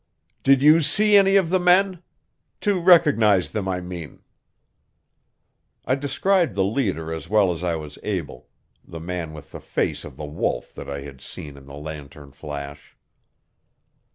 "Did you see any of the men? To recognize them, I mean?" I described the leader as well as I was able the man with the face of the wolf that I had seen in the lantern flash.